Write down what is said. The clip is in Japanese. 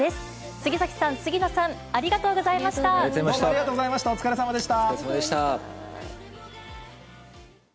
杉咲さん、杉野さん、ありがとうありがとうございました。